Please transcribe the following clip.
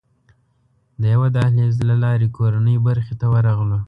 د یوه دهلېز له لارې کورنۍ برخې ته ورغلو.